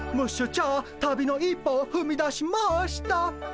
チャー旅の一歩を踏み出しました！